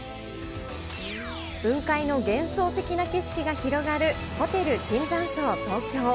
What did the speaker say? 雲海の幻想的な景色が広がる、ホテル椿山荘東京。